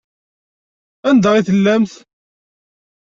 Anda i tellamt?